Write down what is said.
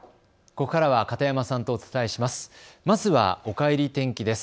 ここからは片山さんとお伝えします。